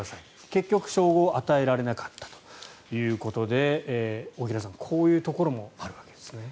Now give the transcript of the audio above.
結局、称号は与えられなかったということで大平さん、こういうところもあるわけですね。